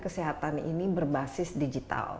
kesehatan ini berbasis digital